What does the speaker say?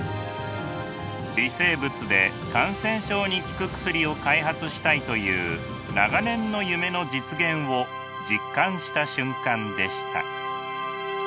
微生物で感染症に効く薬を開発したいという長年の夢の実現を実感した瞬間でした。